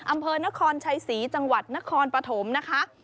อำเภอนครชัยศรีจังหวัดนครปฐมนะคะ